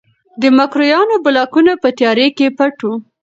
د مکروریانو بلاکونه په تیاره کې پټ وو.